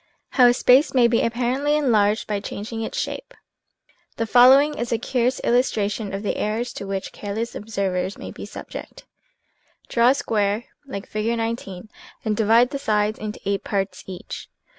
HOW A SPACE MAY BE APPARENTLY EN LARGED BY CHANGING ITS SHAPE HE following is a curious illustration of the errors to which careless observers may be subject : Draw a square, like Fig. 19, and divide the sides into 8 parts each.